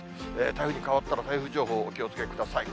台風に変わったら台風情報、お気をつけください。